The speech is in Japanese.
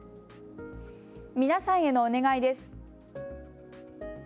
皆さんへのお願いです。